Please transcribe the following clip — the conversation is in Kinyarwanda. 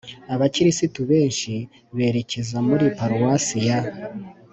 abakristu benshi berekeza muri paruwasi ya